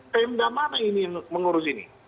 tenda mana ini yang mengurus ini